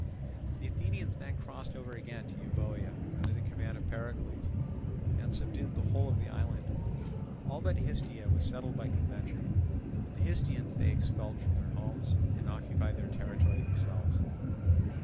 The Athenians then crossed over again to Euboea under the command of Pericles, and subdued the whole of the island: all but Histiaea was settled by convention; the Histiaeans they expelled from their homes, and occupied their territory themselves.